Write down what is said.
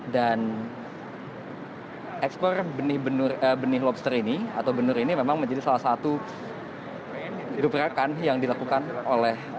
dan ekspor benih lobster ini atau benur ini memang menjadi salah satu kegugrakan yang dilakukan oleh